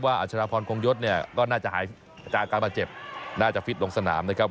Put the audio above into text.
ว่าอัชราพรคงยศก็น่าจะหายอากาศมาเจ็บน่าจะฟิตลงสนามนะครับ